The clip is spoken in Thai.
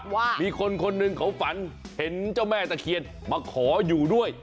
ว่ามีคนคนหนึ่งเขาฝันเห็นเจ้าแม่ตะเคียนมาขออยู่ด้วย